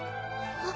あっ。